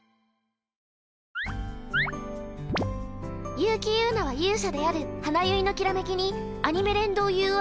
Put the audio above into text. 「結城友奈は勇者である花結いのきらめき」にアニメ連動ＵＲ